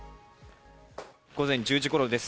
午前１０時ごろです。